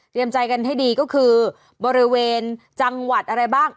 ใจกันให้ดีก็คือบริเวณจังหวัดอะไรบ้าง